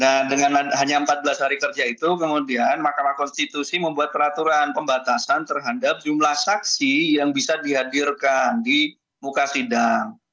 nah dengan hanya empat belas hari kerja itu kemudian makamah konstitusi membuat peraturan pembatasan terhadap jumlah saksi yang bisa dihadirkan di muka sidang